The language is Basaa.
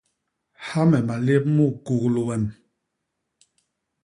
Ha me malép mu kuglu wem?